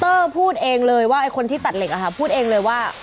พูดเองเลยว่าไอ้คนที่ตัดเหล็กพูดเองเลยว่า